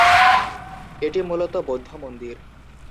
এটি মূলতঃ বৌদ্ধ মন্দির।